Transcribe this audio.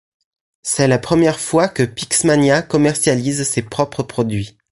C'est la première fois que Pixmania commercialise ses propres produits.